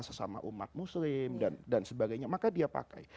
sesama umat muslim dan sebagainya maka dia pakai